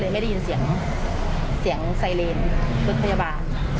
ไม่ได้ยินเสียงเสียงไซเรนรถพยาบาล